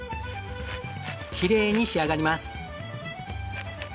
きれいに仕上がります。